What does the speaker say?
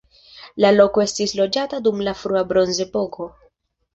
La loko estis loĝata dum la frua bronzepoko.